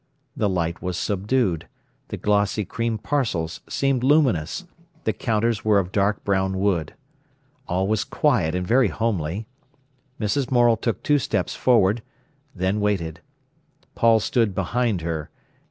The light was subdued, the glossy cream parcels seemed luminous, the counters were of dark brown wood. All was quiet and very homely. Mrs. Morel took two steps forward, then waited. Paul stood behind her.